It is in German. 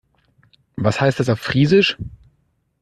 Was heißt das auf Friesisch?